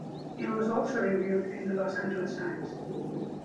It was also reviewed in "The Los Angeles Times".